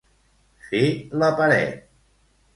Fer la paret.